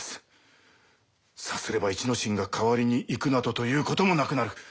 さすれば一之進が代わりに行くなどと言うこともなくなる。